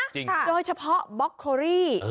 จริงค่ะโดยเฉพาะบ๊อกโคลี่